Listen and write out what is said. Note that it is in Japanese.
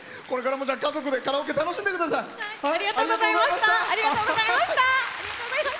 これからも家族でカラオケ楽しんで下さい。